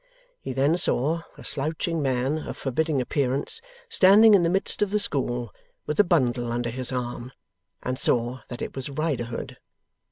He then saw a slouching man of forbidding appearance standing in the midst of the school, with a bundle under his arm; and saw that it was Riderhood.